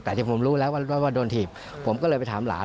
แต่ที่ผมรู้แล้วว่าโดนถีบผมก็เลยไปถามหลาน